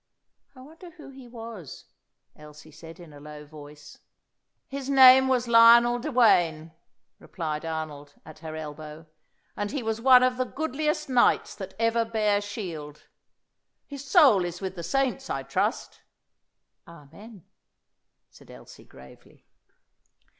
"I wonder who he was," Elsie said in a low voice. "His name was Lionel de Wayne," replied Arnold, at her elbow; "and he was one of the goodliest knights that ever bare shield. 'His soul is with the saints, I trust.'" "Amen," said Elsie gravely.